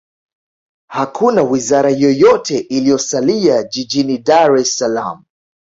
hakuna wizara yoyote iliyosalia jijini dar es salaam